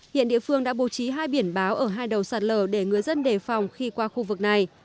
hiện địa phương đã bố trí hai biển báo ở hai đầu sạt lở để người dân đề phòng khi qua khu vực này